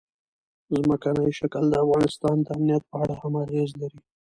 ځمکنی شکل د افغانستان د امنیت په اړه هم اغېز لري.